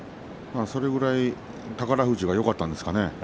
それぐらい宝富士がよかったんですかね。